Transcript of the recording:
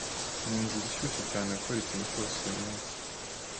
Ninzira ishyushye cyane gukora ikintu cyose uyumunsi.